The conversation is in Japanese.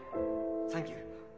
サンキュー